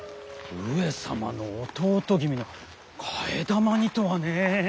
上様の弟君の替え玉にとはね。